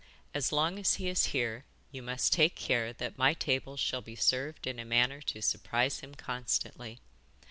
As long as he is here you must take care that my table shall be served in a manner to surprise him constantly.